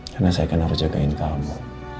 karena saya akan harus jagain kamu